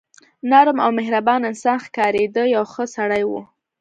نرم او مهربان انسان ښکارېده، یو ښه سړی و.